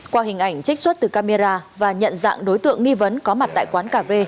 qua hình ảnh trích xuất từ camera và nhận dạng đối tượng nghi vấn có mặt tại quán cà phê